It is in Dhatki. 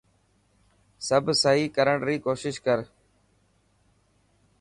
سڀ سهي ڪرڻ ري ڪوشش ڪر.